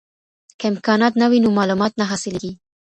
که امکانات نه وي نو معلومات نه حاصلیږي.